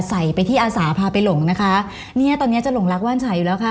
ใส่ไปที่อาสาพาไปหลงนะคะเนี้ยตอนเนี้ยจะหลงรักว่านฉายอยู่แล้วค่ะ